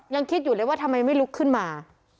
ยังคิดอยู่เลยว่าทำไมไม่ลุกขึ้นมา